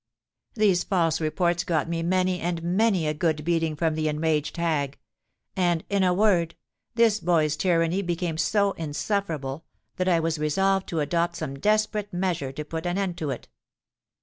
These false reports got me many and many a good beating from the enraged hag; and, in a word, this boy's tyranny became so insufferable, that I was resolved to adopt some desperate measure to put an end to it.